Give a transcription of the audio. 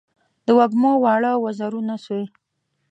د وږمو واړه وزرونه سوی